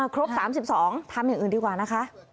ครบ๓๒ทำอย่างอื่นดีกว่านะคะ